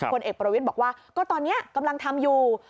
ผลเอกประวิทย์บอกว่าก็ตอนนี้กำลังทำอยู่